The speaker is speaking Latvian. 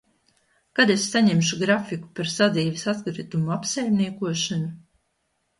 Kad es saņemšu grafiku par sadzīves atkritumu apsaimniekošanu?